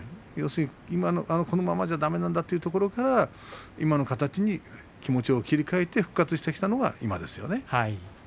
このままじゃだめなんだというところから今の形に気持ちを切り替えて復活してきたのが今ですよね。